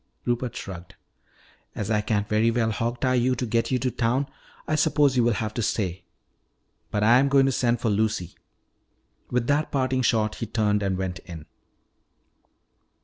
Rupert shrugged. "As I can't very well hog tie you to get you to town, I suppose you will have to stay. But I am going to send for Lucy." With that parting shot he turned and went in.